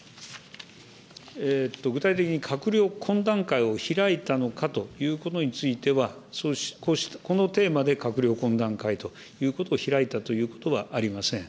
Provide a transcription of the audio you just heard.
具体的に閣僚懇談会を開いたのかということについては、このテーマで、閣僚懇談会ということを開いたということはありません。